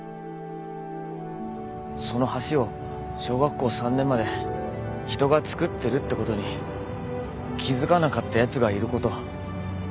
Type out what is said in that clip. その橋を小学校３年まで人が造ってるってことに気付かなかったやつがいること。